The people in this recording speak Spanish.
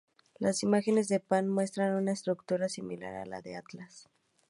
Las imágenes de Pan muestran una estructura similar a la de Atlas.